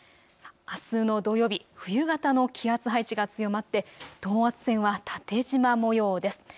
あすの土曜日、冬型の気圧配置が強まって等圧線は縦じま模様です。